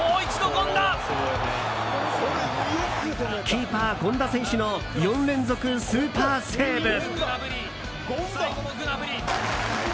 キーパー権田選手の４連続スーパーセーブ！